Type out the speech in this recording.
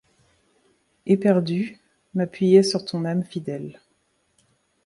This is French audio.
Éperdu, m'appuyais sur ton âme fidèle